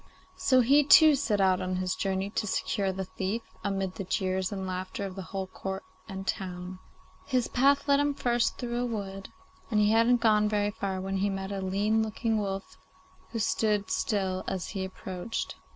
So he too set out on his journey to secure the thief, amid the jeers and laughter of the whole court and town. His path led him first through a wood, and he hadn't gone very far when he met a lean looking wolf who stood still as he approached.